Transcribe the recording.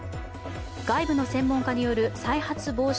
外部の専門家による再発防止